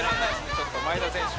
ちょっと真栄田選手